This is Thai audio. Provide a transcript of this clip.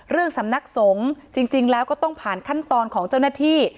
สำนักสงฆ์จริงแล้วก็ต้องผ่านขั้นตอนของเจ้าหน้าที่